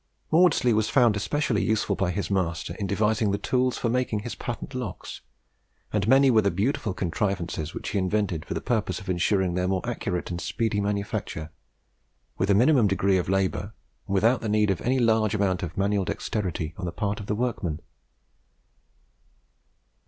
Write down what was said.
Maudslay was found especially useful by his master in devising the tools for making his patent locks; and many were the beautiful contrivances which he invented for the purpose of ensuring their more accurate and speedy manufacture, with a minimum degree of labour, and without the need of any large amount of manual dexterity on the part of the workman.